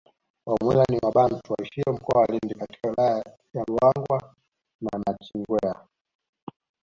Wamwera ni wabantu waishio mkoa wa Lindi katika wilaya ya Ruangwa na nachingwea